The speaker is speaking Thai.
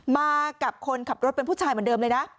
มากับคนขับรถเป็นผู้ชายเหมือนเดิมเลยนะ